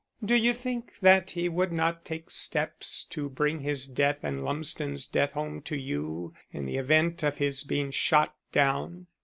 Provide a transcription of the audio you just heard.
"Do you think that he would not take steps to bring his death and Lumsden's death home to you in the event of his being shot down?